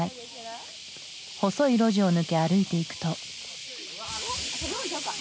細い路地を抜け歩いていくと。